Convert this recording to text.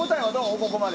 ここまで。